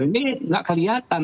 ini nggak kelihatan